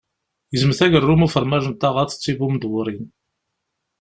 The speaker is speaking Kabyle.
Gezmet agerrum ufermaj n taɣaṭ d tibumdewwrin.